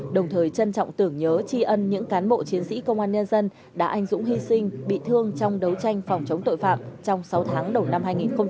đồng thời trân trọng tưởng nhớ tri ân những cán bộ chiến sĩ công an nhân dân đã anh dũng hy sinh bị thương trong đấu tranh phòng chống tội phạm trong sáu tháng đầu năm hai nghìn hai mươi